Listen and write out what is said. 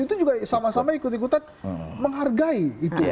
itu juga sama sama ikut ikutan menghargai itu